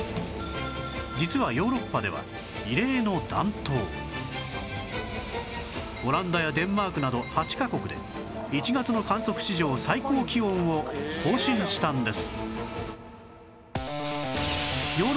実はオランダやデンマークなど８カ国で１月の観測史上最高気温を更新したんです